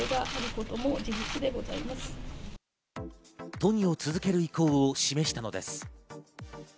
都議を続ける意向を示したのです。